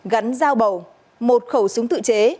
gắn dao bầu một khẩu súng tự chế